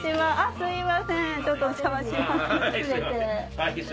すいませんちょっとお邪魔します。